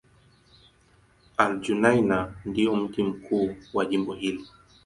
Al-Junaynah ndio mji mkuu wa jimbo hili.